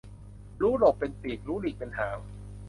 รู้หลบเป็นปีก รู้หลีกเป็นหาง